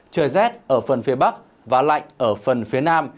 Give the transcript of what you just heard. trời rét ở phần phía bắc và lạnh ở phần phía nam